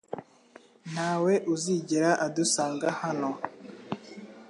Ntawe uzigera adusanga hano .